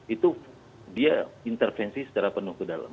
itu dia intervensi secara penuh ke dalam